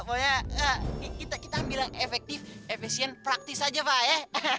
pokoknya kita bilang efektif efesien praktis aja fah ya